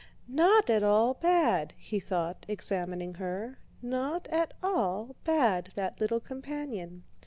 "Not at all bad!" he thought, examining her, "not at all bad, that little companion!